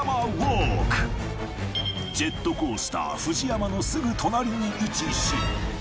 ジェットコースター ＦＵＪＩＹＡＭＡ のすぐ隣に位置し